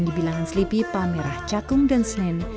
di bilangan selipi palmerah cakung dan senen